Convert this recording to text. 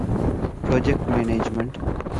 ޕްރޮޖެކްޓް މެނޭޖްމަންޓް